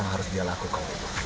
harus dia lakukan